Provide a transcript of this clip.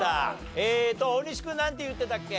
ええと大西君なんて言ってたっけ？